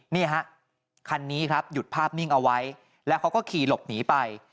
นี่ฮะคันนี้ครับหยุดภาพนิ่งเอาไว้แล้วเขาก็ขี่หลบหนีไป